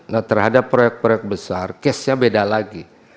nah terhadap proyek proyek besar case nya beda lagi